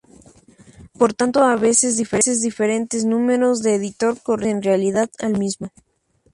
Por tanto, a veces diferentes números de editor corresponden en realidad al mismo.